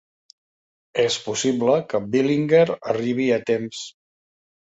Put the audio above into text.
És possible que Billinger arribi a temps.